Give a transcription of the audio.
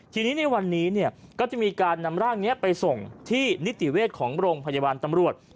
ทีนี้ในวันนี้ก็จะมีการนำร่างนี้ไปส่งที่นิติเวชของโรงพยาบาลตำรวจ